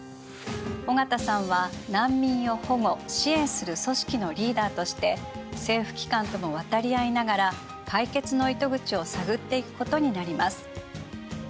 緒方さんは難民を保護支援する組織のリーダーとして政府機関とも渡り合いながら解決の糸口を探っていくことになります。